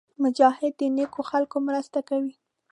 مجاهد د نېکو خلکو مرسته کوي.